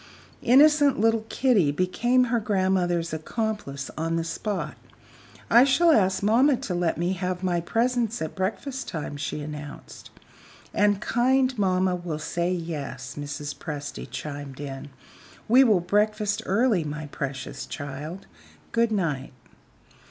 Innocent little Kitty became her grandmother's accomplice on the spot. "I shall ask mamma to let me have my presents at breakfast time," she announced. "And kind mamma will say Yes," Mrs. Presty chimed in. "We will breakfast early, my precious child. Good night."